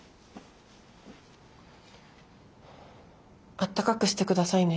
あったかくして下さいね。